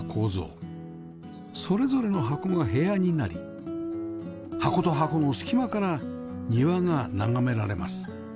それぞれの箱が部屋になり箱と箱の隙間から庭が眺められます